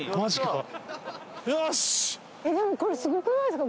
でもこれすごくないですか？